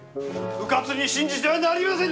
うかつに信じてはなりませぬ！